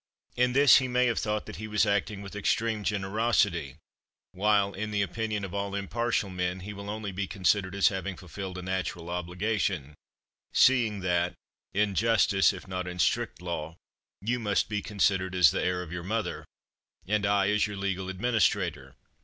In this he may have thought that he was acting with extreme generosity, while, in the opinion of all impartial men, he will only be considered as having fulfilled a natural obligation, seeing that, in justice, if not in strict law, you must be considered as the heir of your mother, and I as your legal administrator.